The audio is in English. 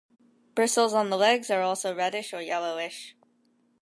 Bristles on the legs are also reddish or yellowish.